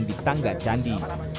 pengikisan di tangga candi